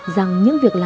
rằng những việc tạo ra